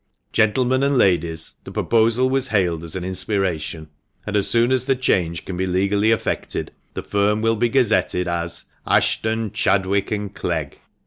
Gentlemen and ladies, the proposal was hailed as an inspiration; and, as soon as the change can be legally effected, the firm will be gazetted as ' Ashton, Chadwick, and Clegg!'